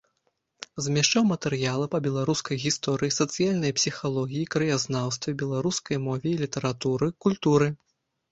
Змяшчаў матэрыялы па беларускай гісторыі, сацыяльнай псіхалогіі, краязнаўстве, беларускай мове і літаратуры, культуры.